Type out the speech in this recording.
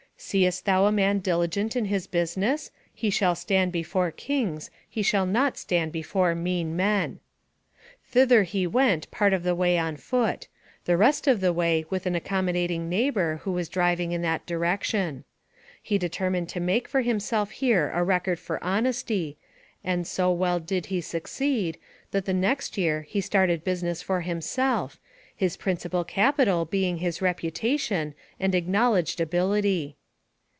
"Seest thou a man diligent in his business, he shall stand before kings, he shall not stand before mean men." Thither he went part of the way on foot; the rest of the way with an accommodating neighbor who was driving in that direction. He determined to make for himself here a record for honesty, and so well did he succeed, that the next year he started business for himself, his principal capital being his reputation and acknowledged ability.